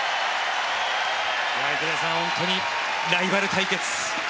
池田さん、本当にライバル対決。